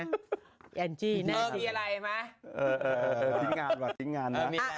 เธอมีอะไรไหม